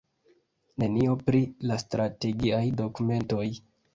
Nenio pri la strategiaj dokumentoj.